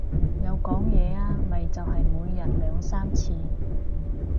有講嘢啊，咪就係每日兩三次